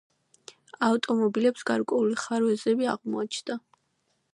ავტომობილებს გარკვეული ხარვეზები აღმოაჩნდა.